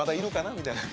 みたいな。